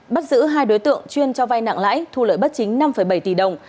bắt giữ hai đối tượng chuyên cho vay nặng lãi thu lợi bất chính năm bảy tỷ đồng